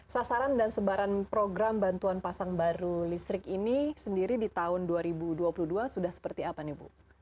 sasaran dan sebaran program bantuan pasang baru listrik ini sendiri di tahun dua ribu dua puluh dua sudah seperti apa nih bu